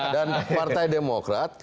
dan partai demokrat